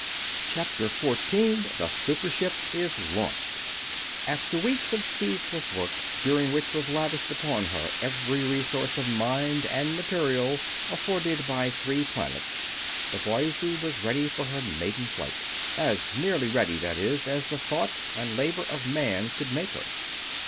CHAPTER 14 THE SUPER SHIP IS LAUNCHED After weeks of ceaseless work, during which was lavished upon her every resource of mind and material afforded by three planets, the Boise was ready for her maiden flight. As nearly ready, that is, as the thought and labor of man could make her.